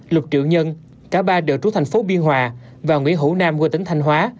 lục triệu nhân cả ba đều trú thành phố biên hòa và nguyễn hữu nam quê tỉnh thanh hóa